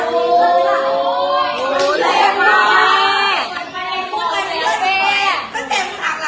มึงไม่ในไปเพื่อนกูเลย